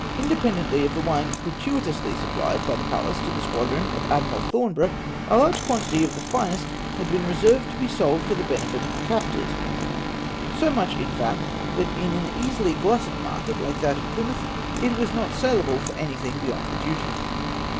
Independently of the wine gratuitously supphed by the Pallas to the squadron of Admu al Thornborough, a large quantity of the finest had been reserved to be sold for the benefit of the captors ; so much, in fact, that in an easily glutted market, hke that of Plymouth, it was not saleable for anything beyond the duty.